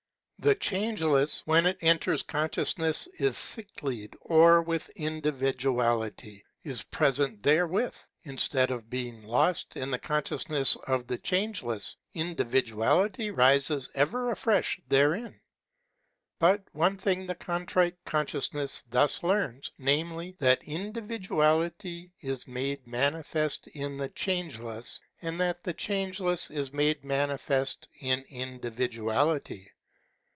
The Changeless, when it enters con sciousness, is sicklied o'er with individuality, is present there with ; instead of being lost in the consciousness of the Change less, individuality arises ever afresh therein. But one thing the Contrite Consciousness thus learns, namelf that individuality is made manifest in the Changeless, and that the Changeless is made manifest in individuality.